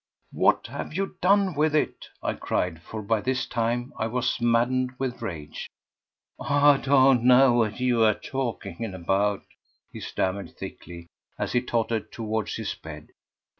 "What have you done with it?" I cried, for by this time I was maddened with rage. "I don't know what you are talking about!" he stammered thickly, as he tottered towards his bed.